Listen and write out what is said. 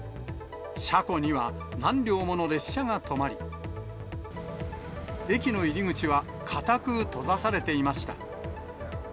車庫には何両もの列車が止まり、駅の入り口はかたく閉ざされていました。